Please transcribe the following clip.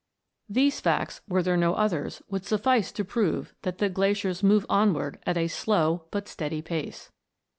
These facts, were there no others, would suffice to prove that the glaciers move onward at a slow but steady pace.